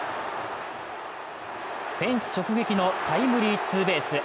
フェンス直撃のタイムリーツーベース。